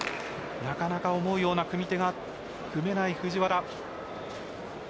なかなか思うような組み手が組めない藤原。